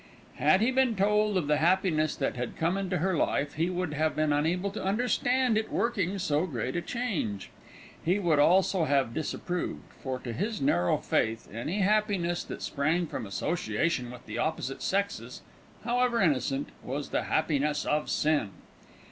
Had he been told of the happiness that had come into her life, he would have been unable to understand it working so great a change. He would also have disapproved, for to his narrow faith any happiness that sprang from association of the opposite sexes, however innocent, was the happiness of sin.